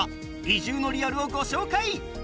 移住のリアルをご紹介。